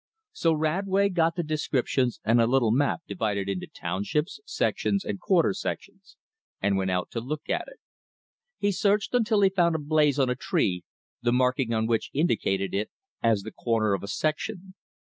So Radway got the "descriptions" and a little map divided into townships, sections, and quarter sections; and went out to look at it. He searched until he found a "blaze" on a tree, the marking on which indicated it as the corner of a section.